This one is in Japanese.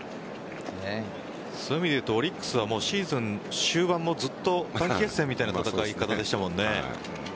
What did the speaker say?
そういう意味でいうとオリックスはシーズン終盤もずっと短期決戦みたいな戦い方でしたもんね。